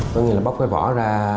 có nghĩa là bóc cái vỏ ra